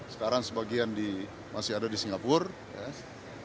sekarang sebagian masih ada di singapura